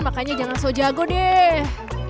makanya jangan so jago deh